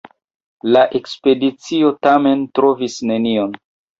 La ekspedicio tamen trovis nenion.